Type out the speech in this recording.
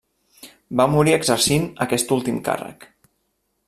Va morir exercint aquest últim càrrec.